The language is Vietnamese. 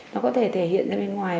nó có thể thể hiện ra bên ngoài